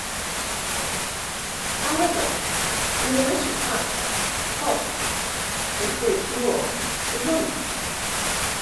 However, when the measure passed, Cox encouraged Moore to run.